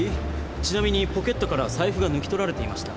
ちなみにポケットからは財布が抜き取られていました。